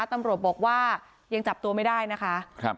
ตำรวจบอกว่ายังจับตัวไม่ได้นะคะ